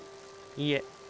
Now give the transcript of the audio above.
いえ。